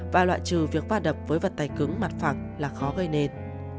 và loại trừ việc vào đập với vật tay cứng mặt phẳng là khó gây nền